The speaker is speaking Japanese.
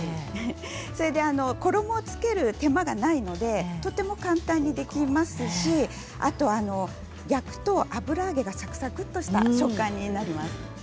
衣を付ける手間がないのでとても簡単にできますし焼くと油揚げがサクサクとした食感になります。